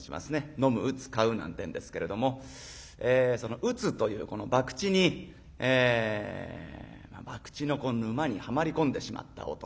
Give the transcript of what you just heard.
「飲む打つ買う」なんてんですけれどもその「打つ」というこの博打に博打のこの沼にはまり込んでしまった男。